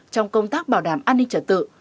trong công tác bảo đảm an ninh trả tự